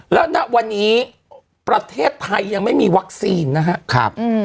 แล้วณวันนี้ประเทศไทยยังไม่มีวัคซีนนะครับ